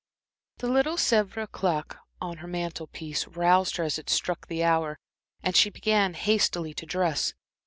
The little Sèvres clock on her mantel piece roused her as it struck the hour, and she began hastily to dress.